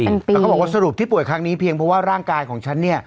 แต่ก็สรุปที่ป่วยครั้งนี้เพียงเพราะว่าร่างกายของฉัน